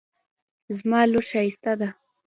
زما لور ښایسته ده